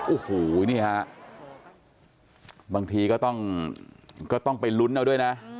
โอ้โหนี่ฮะบางทีก็ต้องไปลุ้นเอาด้วยนะ